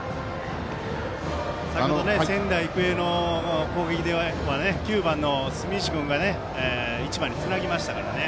仙台育英の攻撃では９番の住石君が１番につなぎましたからね。